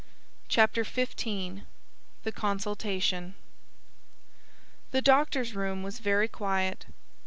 CHAPTER XV THE CONSULTATION The doctor's room was very quiet.